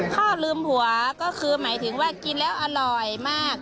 ข้าวลืมหัวก็คือหมายถึงว่ากินแล้วอร่อยมาก